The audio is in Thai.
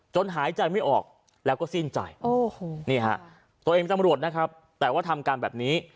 จนหายใจไม่ออกแล้วก็สิ้นใจตัวเองกำรวจนะครับแต่ว่าทำการแบบนี้